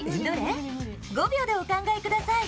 ５秒でお考えください。